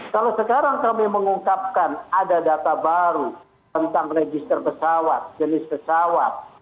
kalau sekarang kami mengungkapkan ada data baru tentang register pesawat jenis pesawat